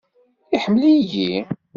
Iḥemmel-iyi?